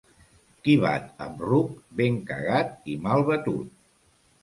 Qui bat amb ruc, ben cagat i mal batut.